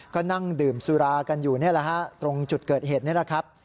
ก็นั่งดื่มสุรากันอยู่นี่แหละฮะตรงจุดเกิดเหตุนี่แหละครับ